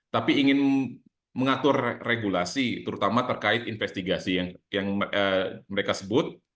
tapi ingin mengatur regulasi terutama terkait investigasi yang mereka sebut